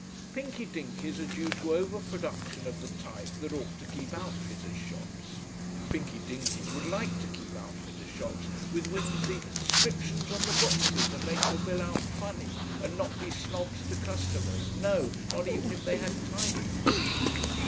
Pinky Dinkys are due to over production of the type that ought to keep outfitters' shops. Pinky Dinkys would like to keep outfitters' shops with whimsy 'scriptions on the boxes and make your bill out funny, and not be snobs to customers, no! not even if they had titles."